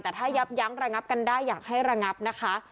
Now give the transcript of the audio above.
แต่ถ้ายับยั้งระงับกันได้อยากให้ระงับนะคะ